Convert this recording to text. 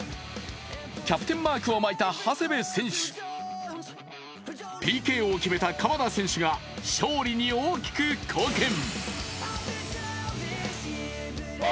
キャプテンマークを巻いた長谷部選手ＰＫを決めた鎌田選手が勝利に大きく貢献。